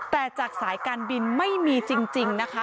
แต่จากสายการบินไม่มีจริงนะคะ